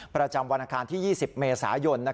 ประจำวันอาคารที่๒๐เมษายน